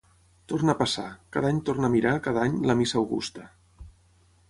Torna a passar: cada any torna a mirar, cada any, la missa augusta.